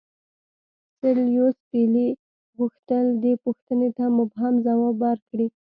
سر لیویس پیلي غوښتل دې پوښتنې ته مبهم ځواب ورکړي.